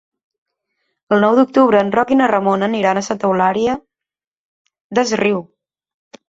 El nou d'octubre en Roc i na Ramona aniran a Santa Eulària des Riu.